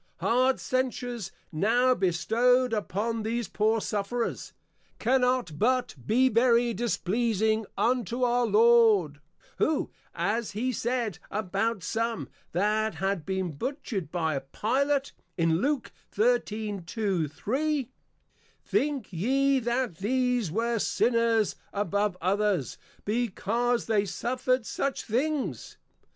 Hard Censures now bestow'd upon these poor Sufferers, cannot but be very Displeasing unto our Lord, who, as He said, about some that had been Butchered by a Pilate, in Luc. 13.2, 3. _Think ye that these were Sinners above others, because they suffered such Things?